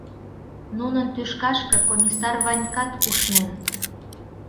Нунын тӱшкашке Комиссар Ванькат ушнен.